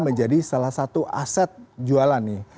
menjadi salah satu aset jualan nih